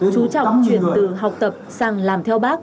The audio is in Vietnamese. chú trọng chuyển từ học tập sang làm theo bác